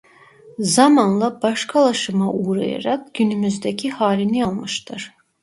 Zamanla başkalaşıma uğrayarak günümüzdeki halini almıştır.